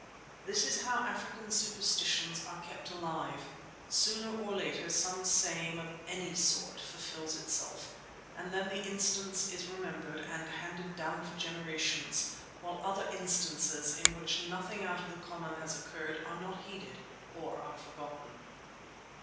This is how African superstitions are kept alive. Sooner or later some saying of the sort fulfils itself and then the instance is remembered and handed down for generations, while other instances in which nothing out of the common has occurred are not heeded, or are forgotten.